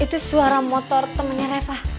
itu suara motor temennya reva